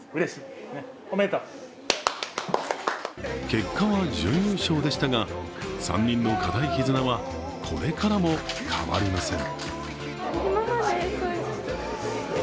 結果は準優勝でしたが３人の固い絆はこれからも変わりません。